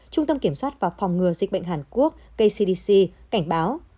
trung tâm kiểm soát và phòng ngừa dịch bệnh hàn quốc kcdc cảnh báo